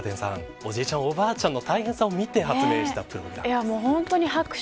おじいちゃん、おばあちゃんの大変さ見て発明したプログラム。